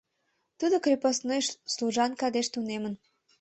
Тудо крепостной служанка деч тунемын.